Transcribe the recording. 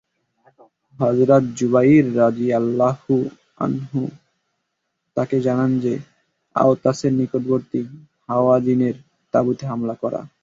হযরত যুবাইর রাযিয়াল্লাহু আনহু তাঁকে জানান যে, আওতাসের নিকটবর্তী হাওয়াযিনের তাঁবুতে হামলা করা।